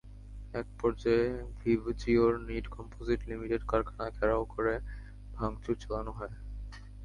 একপর্যায়ে Vibgyor knit composite limited কারখানা ঘেরাও করে ভাঙচুর চালানো হয়।